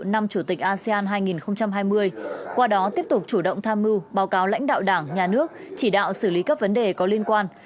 năm chủ tịch asean hai nghìn hai mươi qua đó tiếp tục chủ động tham mưu báo cáo lãnh đạo đảng nhà nước chỉ đạo xử lý các vấn đề có liên quan